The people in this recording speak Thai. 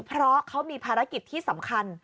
เพราะเขามีภารกิจที่สำคัญ